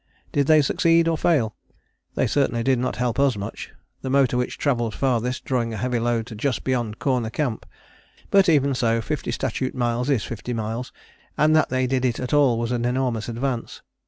Did they succeed or fail? They certainly did not help us much, the motor which travelled farthest drawing a heavy load to just beyond Corner Camp. But even so fifty statute miles is fifty miles, and that they did it at all was an enormous advance.